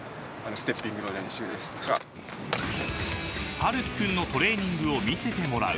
［陽樹君のトレーニングを見せてもらう］